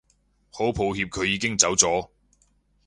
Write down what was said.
好抱歉佢已經走咗